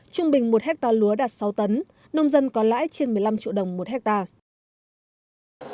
trung bình một hectare lúa đạt sáu tấn nông dân có lãi trên một mươi năm triệu đồng một hectare